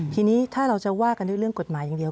ทีนี้ถ้าเราจะว่ากันด้วยเรื่องกฎหมายอย่างเดียว